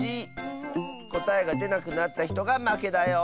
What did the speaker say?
こたえがでなくなったひとがまけだよ。